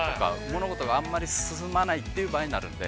物事があんまり進まないという場合になるので。